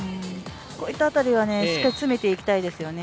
こういった辺りはしっかり詰めていきたいですね。